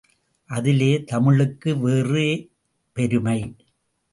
அதிலே தமிழுக்கு வேறே பெருமை.